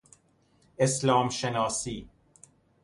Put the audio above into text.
اسلام شناسی